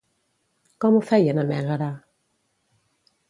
Com ho feien a Mègara?